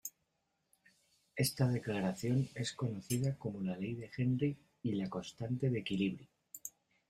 Esta declaración es conocida como la ley de Henry y la constante de equilibrio.